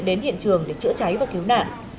đến hiện trường để chữa cháy và cứu nạn